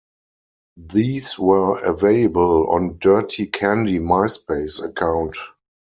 These were available on Dirty Candy Myspace account.